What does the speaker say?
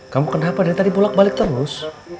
kamu kenapa dari tadi bolak balik terus